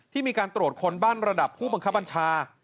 มีการตรวจคนบ้านระดับผู้บังคับบัญชา